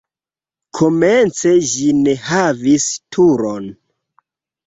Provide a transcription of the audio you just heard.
Komence ĝi ne havis turon.